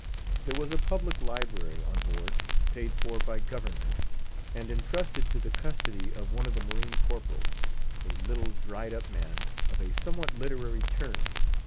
There was a public library on board, paid for by government, and intrusted to the custody of one of the marine corporals, a little, dried up man, of a somewhat literary turn.